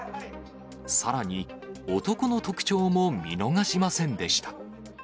さらに男の特徴も見逃しませんでした。